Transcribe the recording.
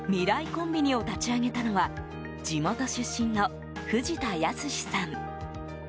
コンビニを立ち上げたのは地元出身の藤田恭嗣さん。